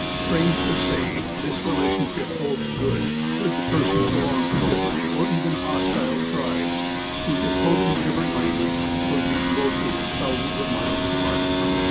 Strange to say, this relation ship holds good, should the persons belong to different, or even hostile, tribes, speak a totally different language, or be located thousands of miles apart.